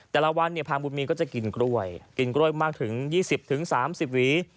แต่ละวันเนี่ยพาบุญมีก็จะกินกล้วยกินกล้วยมากถึง๒๐๓๐หวี